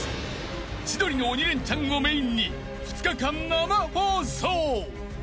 ［『千鳥の鬼レンチャン』をメインに２日間生放送］